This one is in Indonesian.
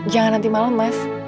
jangan nanti malem mas